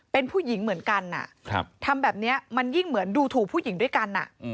เป็นผู้หญิงเหมือนกันทำแบบนี้มันยิ่งเหมือนดูถูกผู้หญิงด้วยกัน